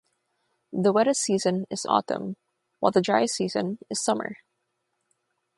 The wettest season is Autumn, while the driest season is Summer.